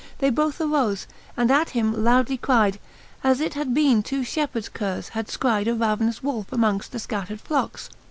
They both arofe, and at him loudly cryde. As it had bene two fbepheards curres had fcrydb A ravenous wolfe amongft the fcattered flockes.